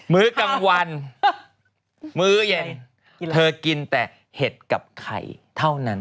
มื้อกลางวันมื้อเย็นเธอกินแต่เห็ดกับไข่เท่านั้น